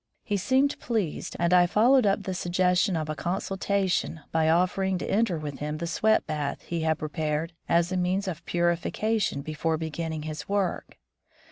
He seemed pleased, and I followed up the suggestion of a consultation by oflfering to enter with him the sweat bath he had prepared as a means of purification before beginning his work.